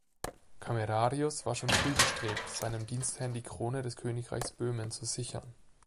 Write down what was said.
Camerarius war schon früh bestrebt, seinem Dienstherrn die Krone des Königreiches Böhmen zu sichern.